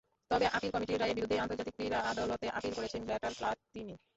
তবে আপিল কমিটির রায়ের বিরুদ্ধেই আন্তর্জাতিক ক্রীড়া আদালতে আপিল করেছেন ব্ল্যাটার-প্লাতিনি।